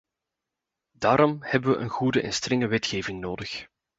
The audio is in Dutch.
Daarom hebben we een goede en strenge wetgeving nodig.